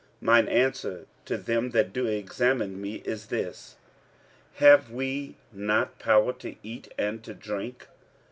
46:009:003 Mine answer to them that do examine me is this, 46:009:004 Have we not power to eat and to drink?